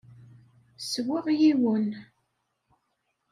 Ssweɣ yiwen.